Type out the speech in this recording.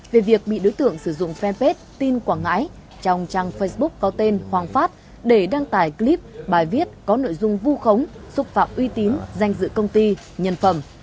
về việc bị đối tượng sử dụng fanpage tin quảng ngãi trong trang facebook có tên hoàng phát để đăng tải clip bài viết có nội dung vu khống xúc phạm uy tín danh dự công ty nhân phẩm